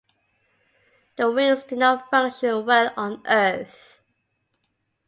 The wings do not function well on Earth.